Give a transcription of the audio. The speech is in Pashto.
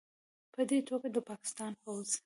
پدې توګه، د پاکستان پوځ